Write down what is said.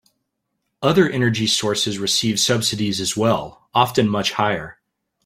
Other energy sources receive subsidies as well, often much higher.